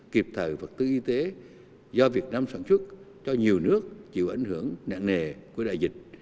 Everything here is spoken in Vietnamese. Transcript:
kịp thời vật tư y tế do việt nam sản xuất cho nhiều nước chịu ảnh hưởng nạn nề của đại dịch